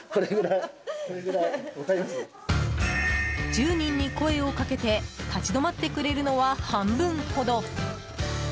１０人に声をかけて立ち止まってくれるのは半分ほど。